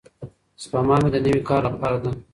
سپما مې د نوي کار لپاره ده.